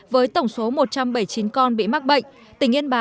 với tổng số một trăm bảy mươi chín con bị mắc bệnh